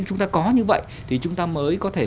chúng ta có như vậy thì chúng ta mới có thể